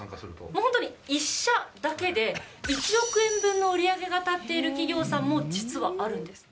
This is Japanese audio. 本当に１社だけで１億円分の売り上げが立っている企業さんも実はあるんです。